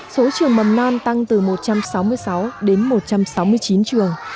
số trường mầm non tăng từ một trăm sáu mươi sáu đến một trăm sáu mươi chín trường